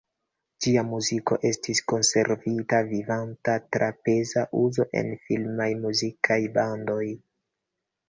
Ĝia muziko estis konservita vivanta tra peza uzo en filmaj muzikaj bandoj.